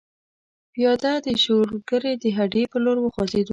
پیاده د شولګرې د هډې پر لور وخوځېدو.